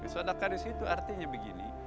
sodaka di situ artinya begini